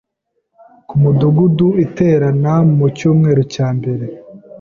Ku Mudugudu iterana mu cyumweru cya mbere;